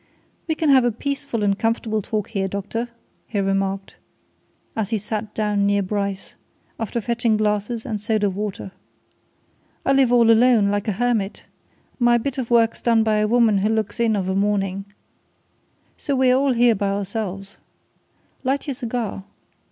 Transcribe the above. "We can have a peaceful and comfortable talk here, doctor," he remarked, as he sat down near Bryce, after fetching glasses and soda water. "I live all alone, like a hermit my bit of work's done by a woman who only looks in of a morning. So we're all by ourselves. Light your cigar!